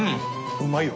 うまいよ。